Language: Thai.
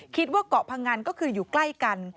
เกาะพงันก็คืออยู่ใกล้กัน